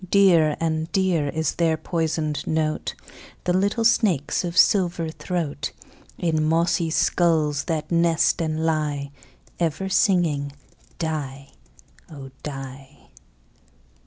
Dear and dear is their poisoned note, The little snakes' of silver throat, In mossy skulls that nest and lie, Ever singing "die, oh! die."